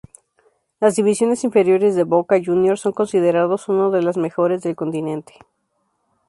Las divisiones inferiores de Boca Juniors son consideradas una de las mejores del continente.